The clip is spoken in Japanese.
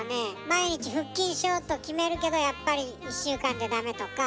毎日腹筋しようと決めるけどやっぱり１週間でダメとか。